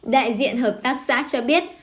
đại diện hợp tác xã cho biết